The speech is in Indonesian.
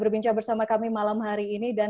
berbincang bersama kami malam hari ini dan